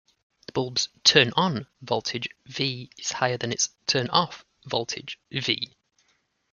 The bulb's "turn on" voltage "V" is higher than its "turn off" voltage "V".